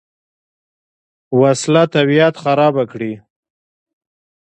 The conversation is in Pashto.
وسله طبیعت خرابه کړي